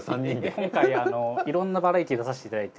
今回あのいろんなバラエティ出させていただいて。